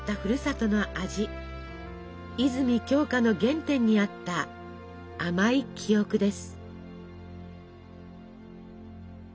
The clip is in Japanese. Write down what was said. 泉鏡花の原点にあった甘い記憶です。